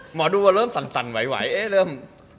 หมอดูว่าเริ่มสั่นไหวเริ่ม